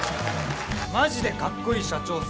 マジでかっこいい社長っす。